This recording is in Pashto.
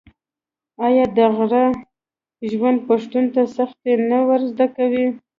آیا د غره ژوند پښتون ته سختي نه ور زده کوي؟